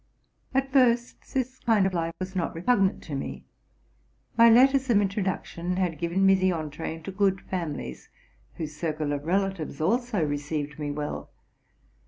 At first this kind of life was not repugnant to me: my letters of introduction had given me the entrée into good families, whose circle of relatives also received me well.